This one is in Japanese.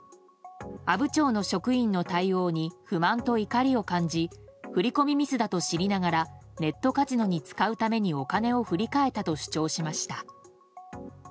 阿武町の職員の対応に不満と怒りを感じ振込ミスだと知りながらネットカジノに使うためにお金を振り替えたと主張しました。